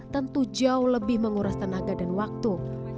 tentu jauh lebih menguras tenaga dan waktu